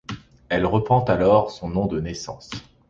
Elle reprend alors son nom de naissance.